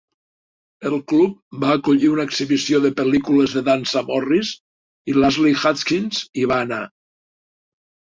El club va acollir una exhibició de pel·lícules de dansa Morris i l"Ashley Hutchings hi va anar.